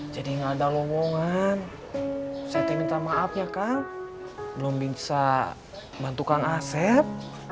jadi nggak ada ngomongan saya minta maaf ya kang belum bisa bantu kang asep